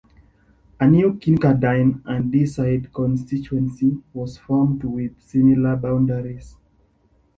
A new Kincardine and Deeside constituency was formed with similar boundaries.